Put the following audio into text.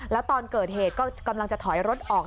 แล้วตอนเกิดเหตุก็กำลังจะถอยรถออก